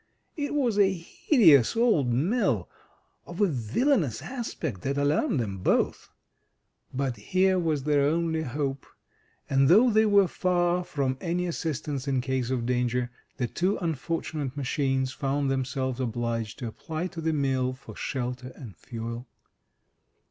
It was a hideous old mill, of a villainous aspect, that alarmed them both. But here was their only hope, and though they were far from any assistance in case of danger, the two unfortunate machines found themselves obliged to apply to the mill for shelter and fuel.